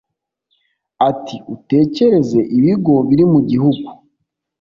Ati “Utekereze ibigo biri mu gihugu